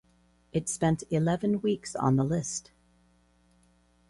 It spent eleven weeks on the list.